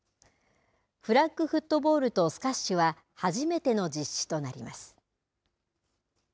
フラッグフットボールとスカッシュは初めての実施となります。